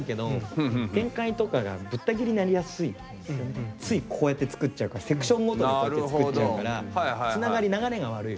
結構ついこうやって作っちゃうからセクションごとにこうやって作っちゃうからつながり流れが悪い。